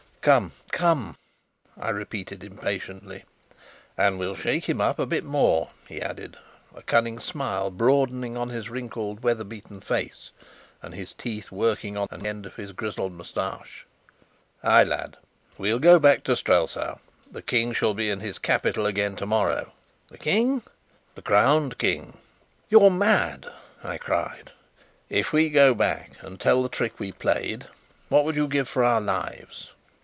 "Come, come!" I repeated impatiently. "And we'll shake him up a bit more," he added, a cunning smile broadening on his wrinkled, weather beaten face, and his teeth working on an end of his grizzled moustache. "Ay, lad, we'll go back to Strelsau. The King shall be in his capital again tomorrow." "The King?" "The crowned King!" "You're mad!" I cried. "If we go back and tell the trick we played, what would you give for our lives?"